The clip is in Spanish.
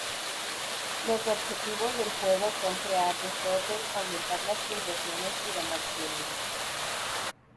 Los objetivos del juego son crear desorden, aumentar las puntuaciones, y ganar premios.